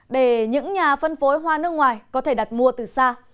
để những nhà phân phối hoa nước ngoài có thể đặt mua từ xa